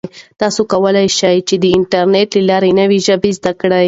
تاسو کولای شئ چې د انټرنیټ له لارې نوې ژبې زده کړئ.